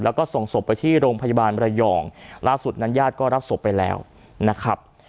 แล้วก็ส่งศพไปที่โรงพยาบาลระยองล่าสุดนั้นญาติก็รับศพไปแล้วนะครับ